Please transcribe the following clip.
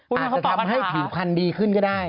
ทำให้ผิวพันธุ์ดีขึ้นก็ได้